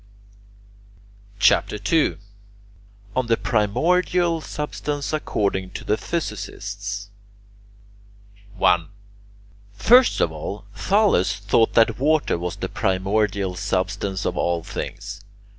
CHAPTER II ON THE PRIMORDIAL SUBSTANCE ACCORDING TO THE PHYSICISTS 1. First of all Thales thought that water was the primordial substance of all things.